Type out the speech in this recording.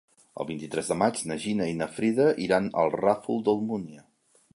El vint-i-tres de maig na Gina i na Frida iran al Ràfol d'Almúnia.